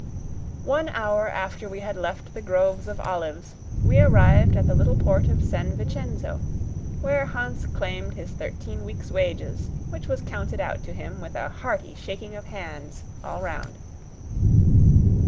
One hour after we had left the grove of olives, we arrived at the little port of San Vicenzo, where Hans claimed his thirteen week's wages, which was counted out to him with a hearty shaking of hands all round.